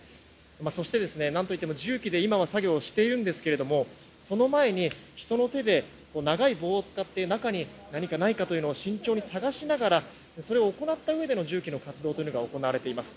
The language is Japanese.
そして、何といっても重機で作業をしているんですけどその前に、人の手で長い棒を使って、中に何かないか慎重に捜しながらそれを行ったうえでの重機の活動というのが行われています。